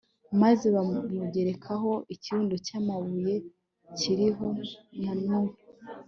maze bawugerekaho ikirundo cy'amabuye kikiriho na n'ubu